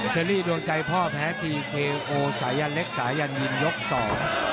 เชอรี่ดวงใจพ่อแพ้พีเคโอสายันเล็กสายันยินยกสอง